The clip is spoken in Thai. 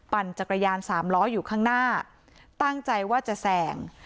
จักรยานสามล้ออยู่ข้างหน้าตั้งใจว่าจะแสง